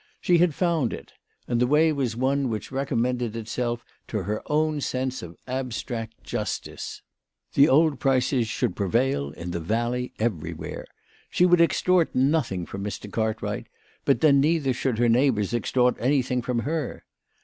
She had found it, and the way was one which recommended itself to her own sense of abstract justice. The old prices should prevail in the valley everywhere. She would extort nothing from Mr. Cartwright, but then neither should her neighbours extort anything from her.